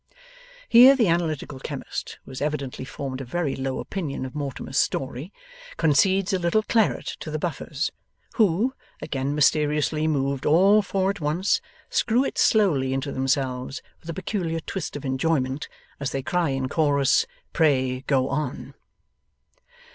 Here, the Analytical Chemist (who has evidently formed a very low opinion of Mortimer's story) concedes a little claret to the Buffers; who, again mysteriously moved all four at once, screw it slowly into themselves with a peculiar twist of enjoyment, as they cry in chorus, 'Pray go on.